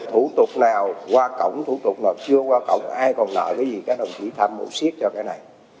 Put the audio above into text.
thủ tục nào qua cổng thủ tục nào chưa qua cổng ai còn nợ cái gì các đồng chí tham mộ siết cho cái này